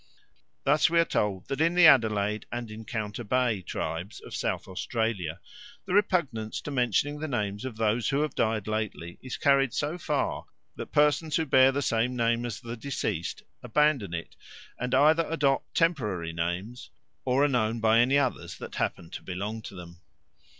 Thus we are told that in the Adelaide and Encounter Bay tribes of South Australia the repugnance to mentioning the names of those who have died lately is carried so far, that persons who bear the same name as the deceased abandon it, and either adopt temporary names or are known by any others that happen to belong to them.